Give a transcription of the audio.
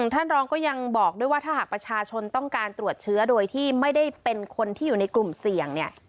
ท่านรองก็ยังบอกด้วยว่าถ้าหากประชาชนต้องการตรวจเชื้อโดยที่ไม่ได้เป็นคนที่อยู่ในกลุ่มเสี่ยงเนี่ย